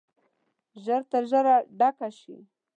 ژر تر ژره ډکه شي.